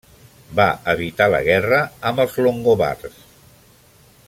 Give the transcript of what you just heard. Va evitar la guerra amb els longobards.